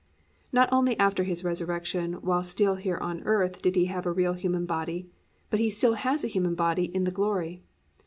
"+ Not only after His resurrection while still here on earth did He have a real human body, but He still has a human body in the glory.